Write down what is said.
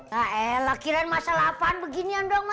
ya elah kirain masalah apaan beginian dong